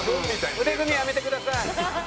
腕組みやめてください。